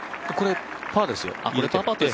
これ、パーですよ。